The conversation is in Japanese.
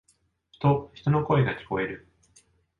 ふと、人の声が聞こえる。